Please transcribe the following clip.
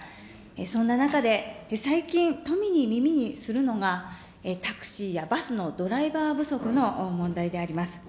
そんな中で、最近、富に耳にするのが、タクシーやバスのドライバー不足の問題であります。